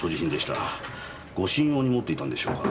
護身用に持っていたんでしょうか。